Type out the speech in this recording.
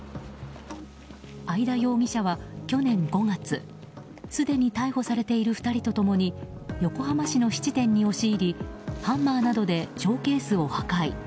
会田容疑者は去年５月すでに逮捕されている２人と共に横浜市の質店に押し入りハンマーなどでショーケースを破壊。